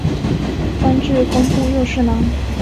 官至工部右侍郎。